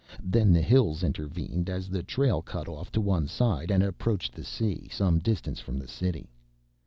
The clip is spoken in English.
Then the hills intervened as the trail cut off to one side and approached the sea some distance from the city.